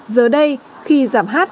giờ đây khi giảm hát